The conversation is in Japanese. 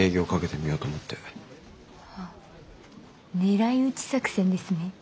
あ狙い撃ち作戦ですね。